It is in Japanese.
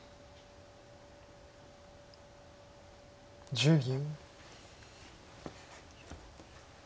１０秒。